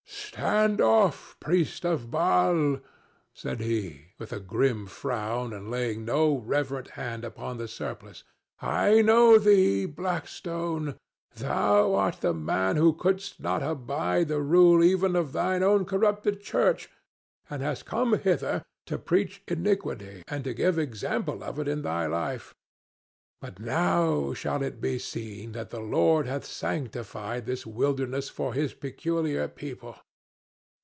"Stand off, priest of Baal!" said he, with a grim frown and laying no reverent hand upon the surplice. "I know thee, Blackstone! Thou art the man who couldst not abide the rule even of thine own corrupted Church, and hast come hither to preach iniquity and to give example of it in thy life. But now shall it be seen that the Lord hath sanctified this wilderness for his peculiar people.